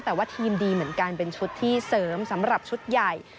แต่ว่าทีมดีเหมือนกันเป็นชุดที่เสริมสำหรับชุดใหญ่